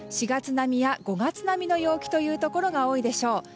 ４月並みや５月並みの陽気というところが多いでしょう。